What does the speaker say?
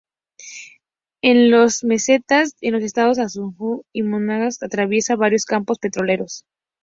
En las mesetas en los estados Anzoátegui y Monagas atraviesa varios campos petroleros.